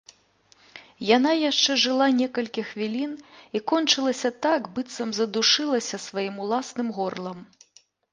Яна яшчэ жыла некалькі хвілін і кончылася так, быццам задушылася сваім уласным горлам.